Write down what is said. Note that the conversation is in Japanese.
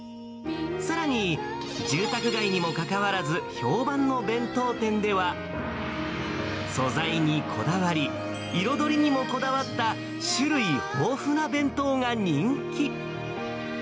さらに、住宅街にもかかわらず、評判の弁当店では、素材にこだわり、彩りにもこだわった種類豊富な弁当が人気。